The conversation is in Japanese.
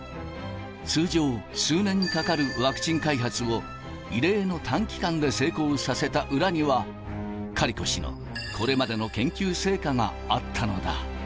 通常、数年かかるワクチン開発を異例の短期間で成功させた裏には、カリコ氏のこれまでの研究成果があったのだ。